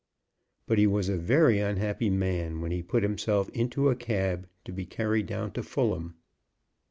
But he was a very unhappy man when he put himself into a cab to be carried down to Fulham.